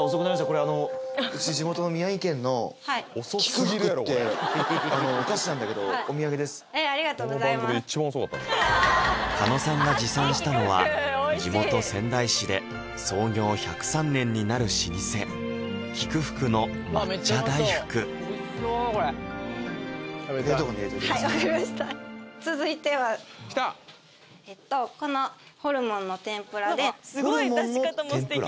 これあのうち地元の宮城県の喜久福ってお菓子なんだけどお土産ですありがとうございます狩野さんが持参したのは地元・仙台市で創業１０３年になる老舗喜久福の抹茶大福はい分かりました続いてはえっとこのホルモンの天ぷらでホルモンの天ぷら？